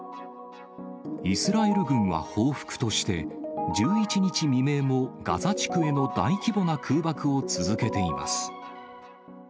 イスラエル軍は報復として、１１日未明もガザ地区への大規模な空爆を続けています。